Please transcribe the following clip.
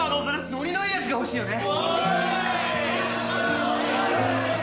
ノリのいいやつが欲しいよね。